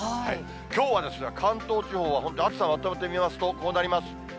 きょうは関東地方は本当、暑さまとめてみますと、こうなります。